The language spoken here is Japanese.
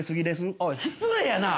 おい失礼やな！